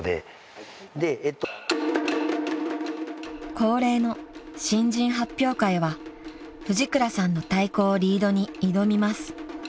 ［恒例の新人発表会は藤倉さんの太鼓をリードに挑みます］